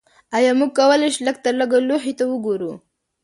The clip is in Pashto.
ایا موږ کولی شو لږترلږه لوحې ته وګورو